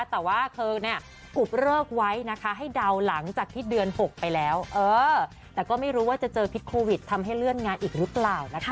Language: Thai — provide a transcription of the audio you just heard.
แต่ว่าเธอเนี่ยอุบเลิกไว้นะคะให้เดาหลังจากที่เดือน๖ไปแล้วเออแต่ก็ไม่รู้ว่าจะเจอพิษโควิดทำให้เลื่อนงานอีกหรือเปล่านะคะ